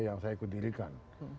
yang saya kundirikan